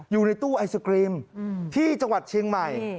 อยู่ในตู้ไอศกรีมที่จังหวัดเชียงใหม่